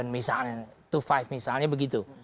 misalnya dua puluh lima misalnya begitu